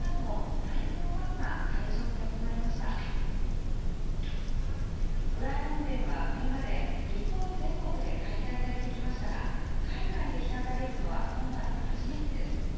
「ドラえもん展」はこれまで日本全国で開催されてきましたが海外で開かれるのは今回が初めてです。